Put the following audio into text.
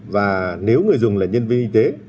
và nếu người dùng là nhân viên y tế